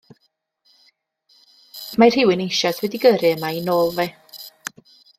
Mae rhywun eisoes wedi gyrru yma i nôl fi.